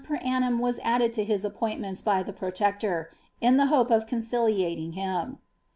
per annum was added to his appointments by the protector, in the hope of conciliating him.'